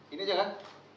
ini aja kan